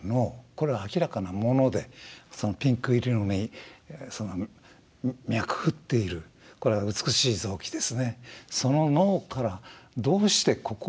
これは明らかな物でピンク色にその脈打っているこれは美しい臓器ですね。